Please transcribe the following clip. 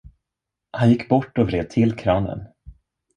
Han gick bort och vred till kranen.